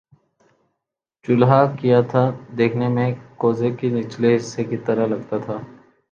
چولہا کیا تھا دیکھنے میں کوزے کے نچلے حصے کی طرح لگتا تھا